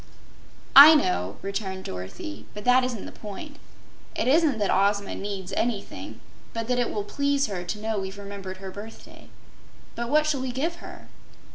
"I know," returned Dorothy, "but that isn't the point. It isn't that Ozma NEEDS anything, but that it will please her to know we've remembered her birthday. But what shall we give her?"